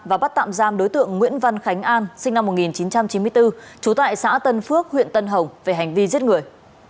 và bắt tạm giam đối tượng nguyễn văn khánh an sinh năm một nghìn chín trăm chín mươi bốn trú tại xã tân phước huyện tân hồng về hành vi giết người